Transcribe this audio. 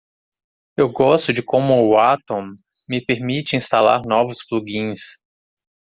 Eu gosto de como o Atom me permite instalar novos plugins.